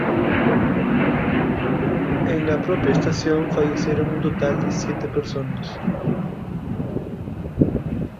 En la propia estación fallecieron un total de siete personas.